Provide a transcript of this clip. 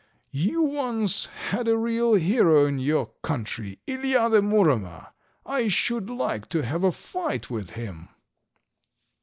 You once had a real hero in your country, Ilija, the Muromer; I should like to have a fight with him."